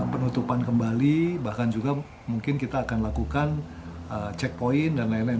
penutupan kembali bahkan juga mungkin kita akan lakukan checkpoint dan lain lain